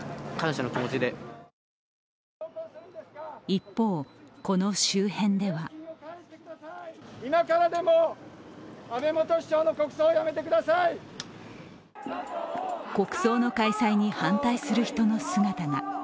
一方、この周辺では国葬の開催に反対する人の姿が。